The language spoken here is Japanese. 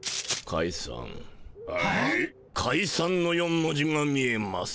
「かいさん」の４文字が見えます。